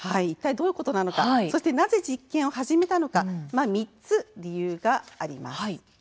どういうことなのかそして、なぜ実験を始めたのか３つ理由があります。